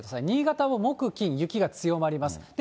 新潟も木、金、雪が強まります。